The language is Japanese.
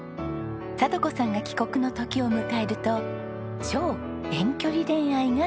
聡子さんが帰国の時を迎えると超遠距離恋愛がスタート。